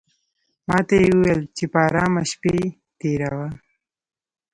ماته یې وویل چې په آرامه شپې تېروه.